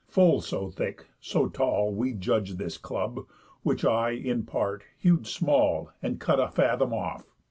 Full so thick, so tall, We judg'd this club; which I, in part, hew'd small, And cut a fathom off.